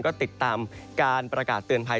ก็ติดตามการประกาศเตือนภัย